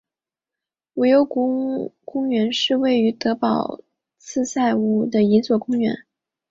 无忧宫公园是位于德国波茨坦无忧宫附近的一座公园。